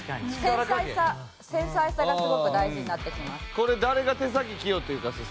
繊細さがすごく大事になってきます。